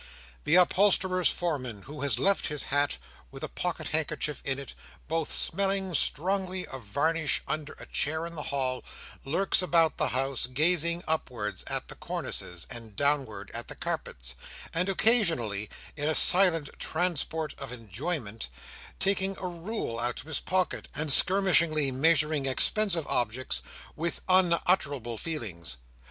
The upholsterer's foreman, who has left his hat, with a pocket handkerchief in it, both smelling strongly of varnish, under a chair in the hall, lurks about the house, gazing upwards at the cornices, and downward at the carpets, and occasionally, in a silent transport of enjoyment, taking a rule out of his pocket, and skirmishingly measuring expensive objects, with unutterable feelings.